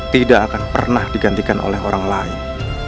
tidak akan pernah digantikan oleh orang lain